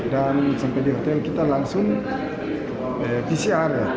dan sampai di hotel kita langsung pcr ya